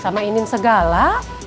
sama inin segala